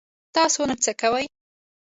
تاسو نن څه کوئ؟